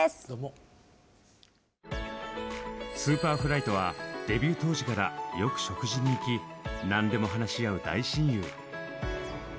どうもＳｕｐｅｒｆｌｙとはデビュー当時からよく食事に行き何でも話し合う大親友。